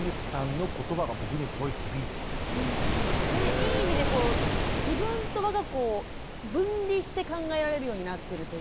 いい意味でこう自分と我が子を分離して考えられるようになってるというかね。